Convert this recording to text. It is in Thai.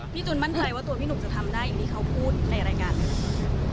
จุนมั่นใจว่าตัวพี่หนุ่มจะทำได้อย่างที่เขาพูดในรายการไหม